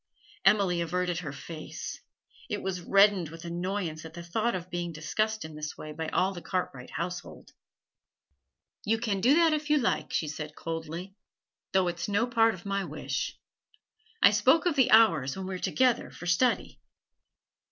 Emily averted her face; it was reddened with annoyance at the thought of being discussed in this way by all the Cartwright household. 'You can do that if you like,' she said coldly, 'though it's no part of my wish. I spoke of the hours when we are together for study.'